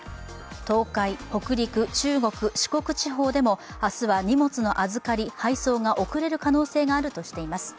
東海、北陸、中国、四国地方でも明日は荷物の預かり・配送が遅れる可能性があるとしています。